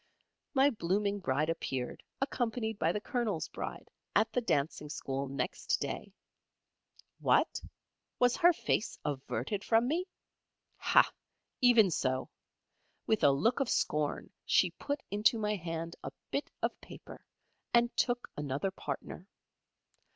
My blooming Bride appeared, accompanied by the Colonel's Bride, at the Dancing School next day. What? Was her face averted from me? Hah! Even so. With a look of scorn she put into my hand a bit of paper, and took another partner.